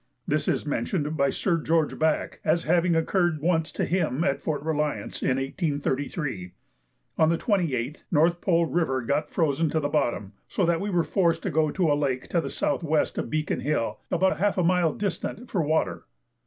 This is mentioned by Sir George Back as having occurred once to him at Fort Reliance, in 1833. On the 28th, North Pole River got frozen to the bottom, so that we were forced to go to a lake to the S.W. of Beacon Hill, about half a mile distant, for water.